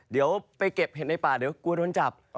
เดี๋ยวไปเก็บเห็ดในป่าเดี๋ยวกลัวโดนจับ